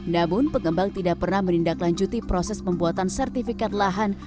namun pengembang tidak pernah menindaklanjuti proses pembuatan sertifikat lahan